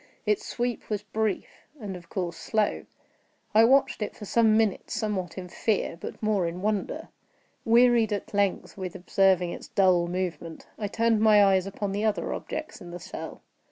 Its sweep was brief, and of course slow. I watched it for some minutes, somewhat in fear, but more in wonder. Wearied at length with observing its dull movement, I turned my eyes upon the other objects in the cell.